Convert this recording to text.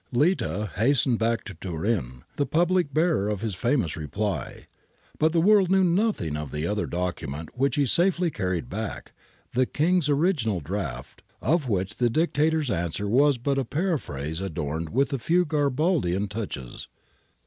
Litta hastened back to Turin, the public bearer of this COLLUSION OF VICTOR EMMANUEL 103 famous reply. But the world knew nothing of the other document which he safely carried back, the King's ori ginal draft, of which the Dictator's answer was but a paraphrase adorned with a few Garibaldian touches.